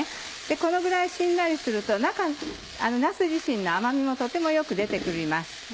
このぐらいしんなりするとなす自身の甘みもとてもよく出て来ます。